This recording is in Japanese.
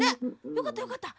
よかったよかった。